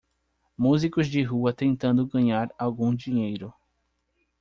Músicos de rua tentando ganhar algum dinheiro.